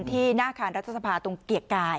หน้าอาคารรัฐสภาตรงเกียรติกาย